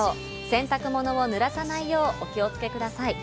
洗濯物を濡らさないようお気をつけください。